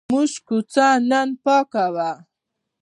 زموږ کوڅه نن پاکه وه.